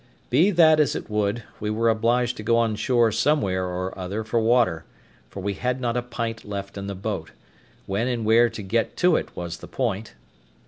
Be that as it would, we were obliged to go on shore somewhere or other for water, for we had not a pint left in the boat; when and where to get to it was the point.